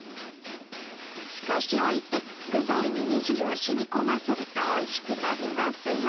少しおいて具材に煮汁をしみ込ませるとおいしくなりますよ。